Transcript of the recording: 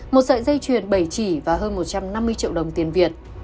một sợi dây chuyền bảy chỉ và hơn một trăm năm mươi triệu đồng tiền việt